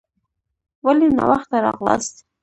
ولي ناوخته راغلاست؟